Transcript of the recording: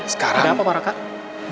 sekarang gak ada apa pak raka